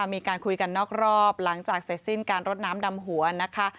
มีการคุยกันนอกรอบหลังจากเสร็จสิ้นการรดน้ำดำหัวนะคะ